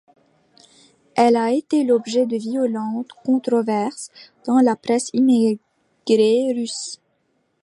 Elle a été l'objet de violentes controverses dans la presse émigrée russe.